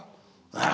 ああ。